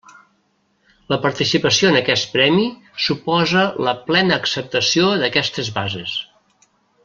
La participació en aquest Premi suposa la plena acceptació d'aquestes bases.